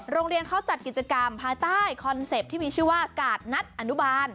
โรงเรียนเขาจัดกิจกรรมภายใต้คอนเซ็ปต์ที่มีชื่อว่ากาดนัดอนุบาล